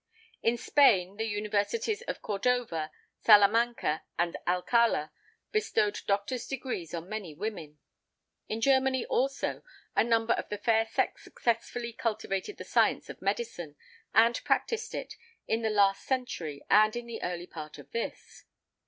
In Spain, the Universities of Cordova, Salamanca and Alcala bestowed doctor's degrees on |14| many women. In Germany, also, a number of the fair sex successfully cultivated the science of medicine, and practised it, in the last century and in the early part of this.